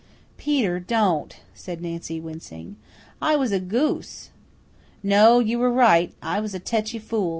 "Peter, don't!" said Nancy, wincing. "I was a goose." "No, you were quite right. I was a tetchy fool.